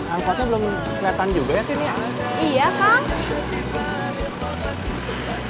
angkotnya belum keliatan juga ya sih nih angkotnya